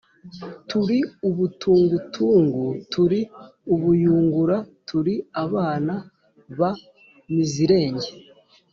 Turi ubutungutungu, turi ubuyungura, turi abana ba Mizirenge